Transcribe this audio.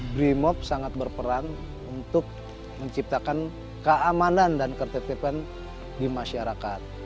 brimob sangat berperan untuk menciptakan keamanan dan ketertiban di masyarakat